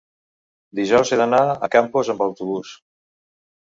Dijous he d'anar a Campos amb autobús.